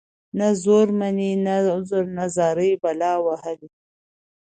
نه زور مــني نه عـذر نـه زارۍ بلا وهـلې.